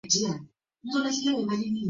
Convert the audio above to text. He thought Miles as cool as his name.